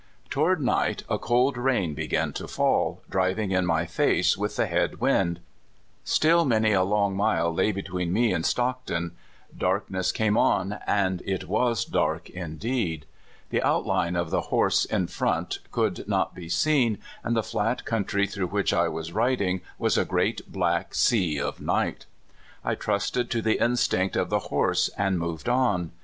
Toward night a cold rain began to fall, driving in my face with the head wind. Still man} a long mile lay between me and Stockton. Darkness (192) CORRALED. ^03 came on, and it was dark indeed. The outline of the horse in front could not be seen, and the flat country through which I was driving was a great black sea of night. I trusted to the instinct of the horse, and moved on.